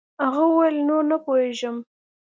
هغه وويل نور نه پوهېږم.